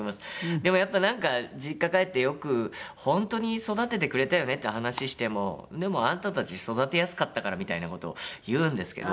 でもやっぱなんか実家帰ってよく本当に育ててくれたよねっていう話してもでもあんたたち育てやすかったからみたいな事を言うんですけど。